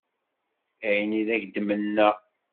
Ayen i d ak-mennaɣ.